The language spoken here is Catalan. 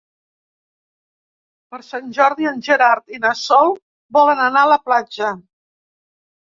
Per Sant Jordi en Gerard i na Sol volen anar a la platja.